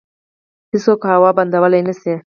هیڅوک هوا بندولی نشي.